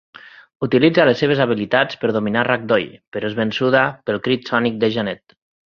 Utilitza les seves habilitats per dominar Ragdoll, però és vençuda pel crit sònic de Jeannette.